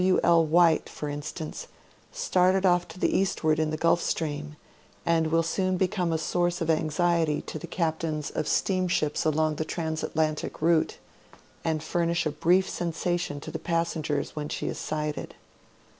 "W. L. White," for instance, started off to the eastward in the Gulf Stream, and will soon become a source of anxiety to the captains of steam ships along the transatlantic route, and furnish a brief sensation to the passengers when she is sighted.